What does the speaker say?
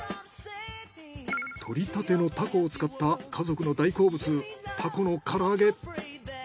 獲りたてのタコを使った家族の大好物タコの唐揚げ。